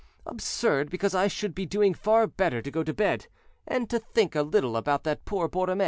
"Absurd, because I should be doing far better to go to bed, and to think a little about that poor Borromée.